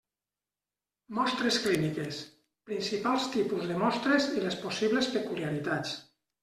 Mostres clíniques: principals tipus de mostres i les possibles peculiaritats.